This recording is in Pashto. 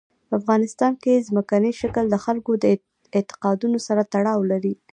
په افغانستان کې ځمکنی شکل د خلکو اعتقاداتو سره تړاو لري.